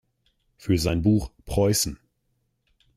Für sein Buch "Preußen.